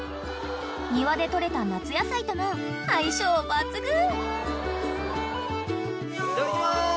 ［庭で採れた夏野菜とも相性抜群］